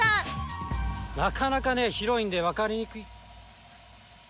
なかなかね広いんでわかりにくい。